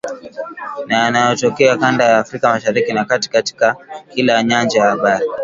na yanayotokea kanda ya Afrika Mashariki na Kati, katika kila nyanja ya habari